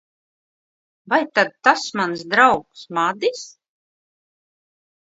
Vai tad tas mans draugs, Madis?